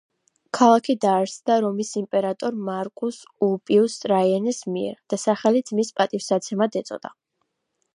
ქალაქი დაარსდა რომის იმპერატორ მარკუს ულპიუს ტრაიანეს მიერ და სახელიც მის პატივსაცემად ეწოდა.